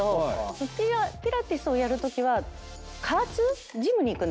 ピラティスをやるときは加圧ジムに行くんですけど。